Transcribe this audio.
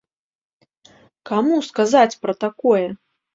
Каму сказаць пра такое?